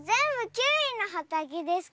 キウイのはたけですか？